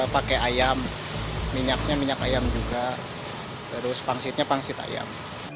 pakai ayam minyaknya minyak ayam juga terus pangsitnya pangsit ayam